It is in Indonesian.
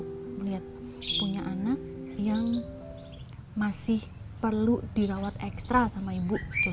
saya melihat punya anak yang masih perlu dirawat ekstra sama ibu